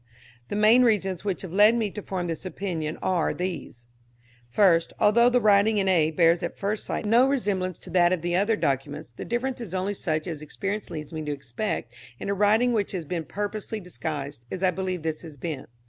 The main reasons which have led me to form this opinion are these: First, although the writing in A bears at first sight no resemblance to that of the other documents, the difference is only such as experience leads me to expect in a writing which has been purposely disguised, as I believe this has been.